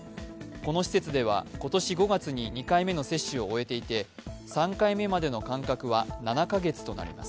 この施設では今年５月に２回目の接種を終えていて３回目までの間隔は７カ月となります。